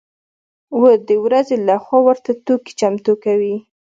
و د ورځې له خوا ورته توکي چمتو کوي.